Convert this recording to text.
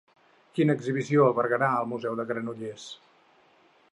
Quina exhibició albergarà el Museu de Granollers?